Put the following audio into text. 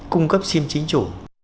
cung cấp sim chính chủ